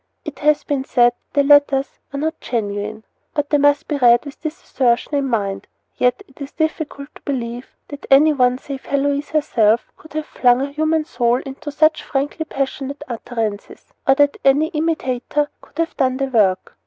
It has been said that the letters are not genuine, and they must be read with this assertion in mind; yet it is difficult to believe that any one save Heloise herself could have flung a human soul into such frankly passionate utterances, or that any imitator could have done the work.